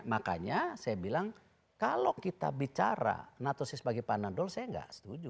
makanya saya bilang kalau kita bicara natosis bagi panadol saya nggak setuju